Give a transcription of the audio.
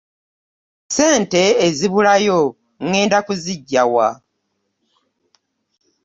Ssente ezibulayo ŋŋenda kuziggya wa?